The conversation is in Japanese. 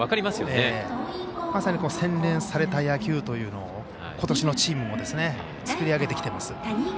まさに洗練された野球というのをことしのチームも作り上げてきています。